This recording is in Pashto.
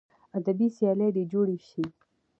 ادبي سیالۍ دې جوړې سي.